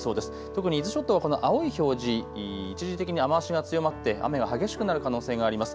特に伊豆諸島、青い表示、一時的に雨足が強まって雨が激しくなる可能性があります。